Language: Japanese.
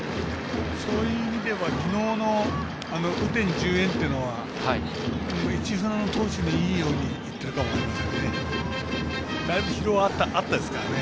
そういう意味ではきのうの雨天順延というのは市船の投手にいいようにいってるかもしれませんね。